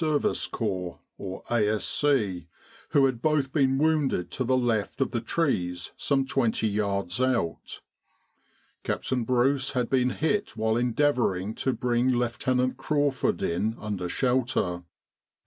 S.C., who had both been wounded to the left of the trees some twenty yards out. Captain Bruce had been hit while endeavouring to bring Lieutenant Crawford in under shelter.